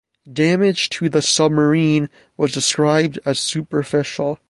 Damage to the submarine was described as superficial.